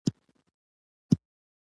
سندره د خوښیو جشن دی